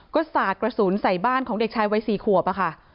ก็สาดกระสุนใส่บ้านของเด็กชายวัย๔ขวบค่ะ